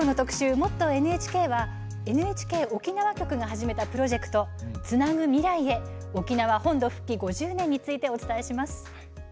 「もっとＮＨＫ」はＮＨＫ沖縄局が始めたプロジェクト「つなぐ未来へ沖縄本土復帰５０年」についてお伝えします。